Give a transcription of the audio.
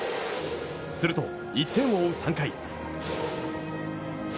すると、１点を追う３回。